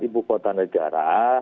ibu kota negara